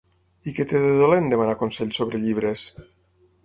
I què té de dolent demanar consell sobre llibres?